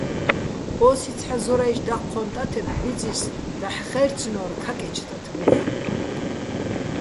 ო́სი ცჰ̦ა ზორაჲში̆ დაჴჴო́ჼ ტათებ ბიძის დაჰ̦ ხაჲრცნო́რ ქაკე́ჩ ტათბუხ.